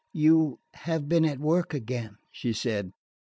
"You have been at work again," she said.